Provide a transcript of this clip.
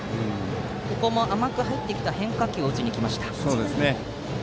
ここも甘く入ってきた変化球を打ちに行きました。